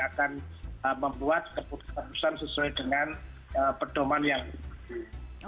akan membuat keputusan sesuai dengan pedoman yang diperlukan